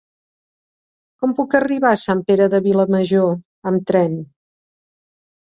Com puc arribar a Sant Pere de Vilamajor amb tren?